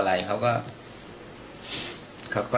แต่ก็คิดว่าเป็นใครหรอก